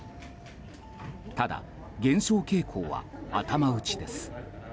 ただ、減少傾向は頭打ちです。